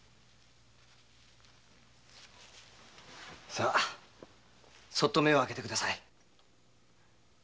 さそっと目を開けて下さい。